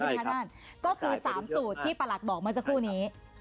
ก็คือ๓สูตรที่ปรัสบอกเมื่อเจ้าคู่นี้